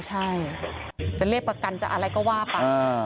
ใช่จะเรียกประกันจะอะไรก็ว่าไป